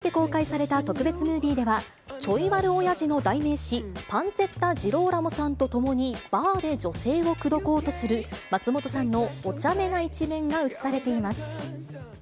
合わせて公開された特別ムービーでは、ちょい悪オヤジの代名詞、パンツェッタ・ジローラモさんと共にバーで女性を口説こうとする、松本さんのおちゃめな一面が写されています。